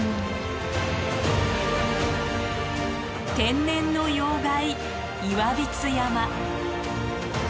天然の要害岩櫃山。